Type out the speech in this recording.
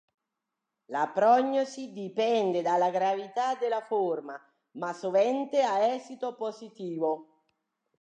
La prognosi dipende dalla gravità della forma, ma sovente ha esito positivo.